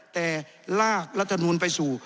แต่ลากรัฐมนูลไปสู่